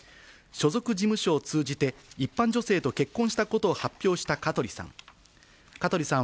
所属事務所を通じて一般女性と結婚したことを発表した香取さん。